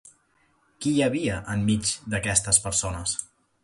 Qui hi havia enmig d'aquestes persones?